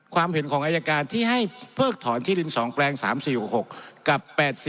ความเห็นของอายการที่ให้เพิกถอนที่ดิน๒แปลง๓๔๖๖กับ๘๔